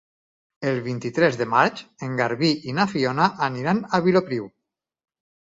El vint-i-tres de maig en Garbí i na Fiona aniran a Vilopriu.